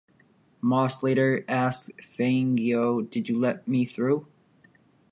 Moss later asked Fangio did you let me through?